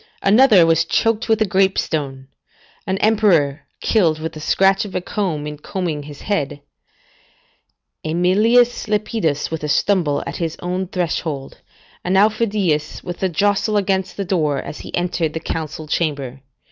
Another was choked with a grape stone; [Val. Max., ix. 12, ext. 2.] an emperor killed with the scratch of a comb in combing his head. AEmilius Lepidus with a stumble at his own threshold, [Pliny, Nat. Hist., vii. 33.] and Aufidius with a jostle against the door as he entered the council chamber.